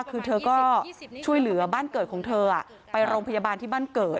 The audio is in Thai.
คือเธอก็ช่วยเหลือบ้านเกิดของเธอไปโรงพยาบาลที่บ้านเกิด